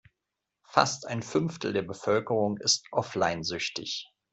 Fast ein Fünftel der Bevölkerung ist offline-süchtig.